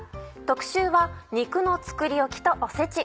特集は肉の作りおきとおせち。